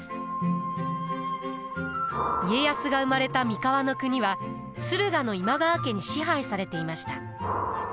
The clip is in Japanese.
家康が生まれた三河国は駿河の今川家に支配されていました。